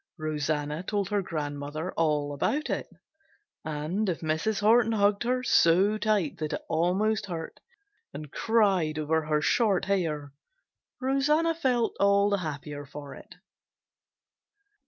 Rosanna told her grandmother all about it, and if Mrs. Horton hugged her so tight that it almost hurt and cried over her short hair, Rosanna felt all the happier for it.